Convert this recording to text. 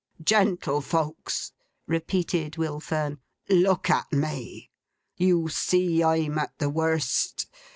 'Gentlefolks!' repeated Will Fern. 'Look at me! You see I'm at the worst.